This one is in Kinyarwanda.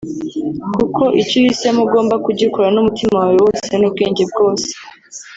kuko icyo uhisemo ugomba kugikora n’umutima wawe wose n’ubwenge bwose